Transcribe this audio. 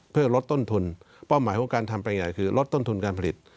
เพื่อลดต้นทุนเป้าหมายของการทำไปยังไงคือลดต้นทุนการผลิต